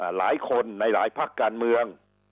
หลายคนในหลายภาคการเมือง